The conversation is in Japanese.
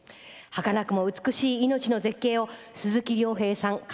はかなくも美しい命の絶景を鈴木亮平さん